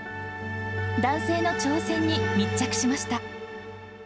男性の挑戦に密着しました。